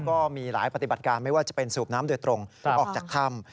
ก็มีหลายปฏิบัติการไม่ว่าจะเป็นสูบน้ำโดยตรงออกจากถ้ำ